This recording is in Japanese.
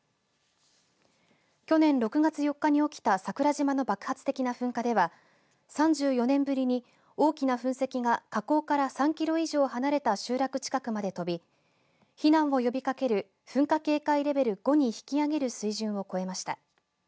去年６月４日に起きた桜島の爆発的な噴火では３４年ぶりに大きな噴石が火口から３キロ以上離れた集落近くまで飛び避難を呼びかける噴火警戒レベル５に引き上げる水準を超えました。